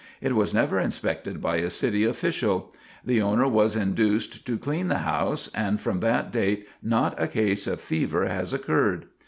It was never inspected by a city official. The owner was induced to clean the house, and from that date not a case of fever has occurred.